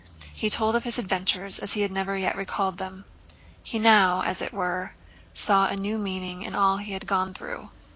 He told of his adventures as he had never yet recalled them. He now, as it were, saw a new meaning in all he had gone through.